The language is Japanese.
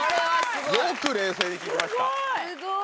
よく冷静に聞きました。